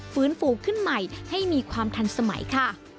ฟื้นฟูขึ้นใหม่ให้มีความทันสมัยค่ะ